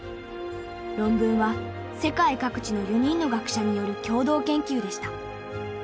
論文は世界各地の４人の学者による共同研究でした。